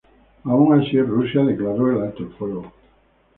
Aun así, Rusia declaró el alto el fuego continuaría.